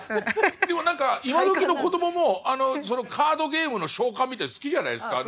でも何か今どきの子どももカードゲームの召喚みたいの好きじゃないですか。